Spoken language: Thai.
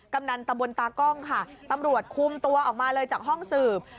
กำนันตะบนตากล้องค่ะตำรวจคุมตัวออกมาเลยจากห้องสืบ